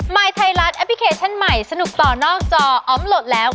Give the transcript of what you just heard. ยไทยรัฐแอปพลิเคชันใหม่สนุกต่อนอกจออมโหลดแล้ว